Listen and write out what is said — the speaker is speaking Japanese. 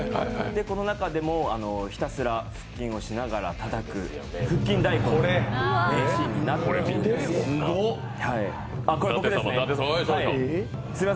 この中でもひたすら腹筋をしながらたたく腹筋太鼓の名シーンになってるんですが。